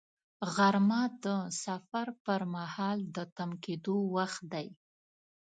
غرمه د سفر پر مهال د تم کېدو وخت دی